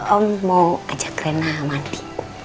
om mau ajak rena mati